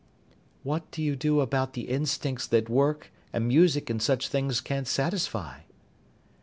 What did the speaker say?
"What do you do about the instincts that work and music and such things can't satisfy?"